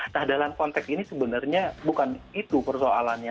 nah dalam konteks ini sebenarnya bukan itu persoalannya